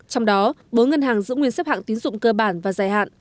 trong đó bốn ngân hàng giữ nguyên xếp hạng tín dụng cơ bản và dài hạn